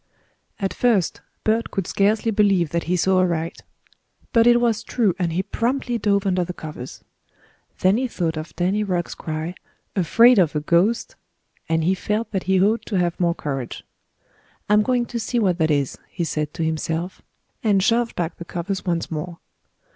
_ At first Bert could scarcely believe that he saw aright. But it was true and he promptly dove under the covers. Then he thought of Danny Rugg's cry, "Afraid of a ghost!" and he felt that he ought to have more courage. "I'm going to see what that is," he said to himself, and shoved back the covers once more.